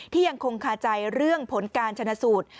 ยังคงคาใจเรื่องผลการชนะสูตร